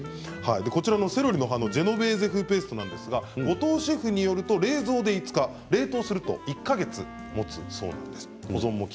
セロリの葉のジェノベーゼ風ペーストですが後藤シェフによると冷蔵で５日冷凍すると１か月もつそうです。